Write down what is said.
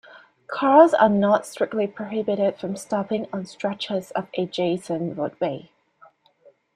Cars are not strictly prohibited from stopping on stretches of adjacent roadway.